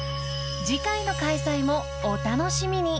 ［次回の開催もお楽しみに］